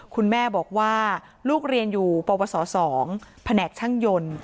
คุณแม่บอกว่าลูกเรียนอยู่ปวส๒แผนกช่างยนต์